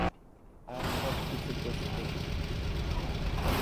আর সবকিছু প্রস্তুত।